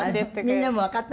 みんなもわかったみたい？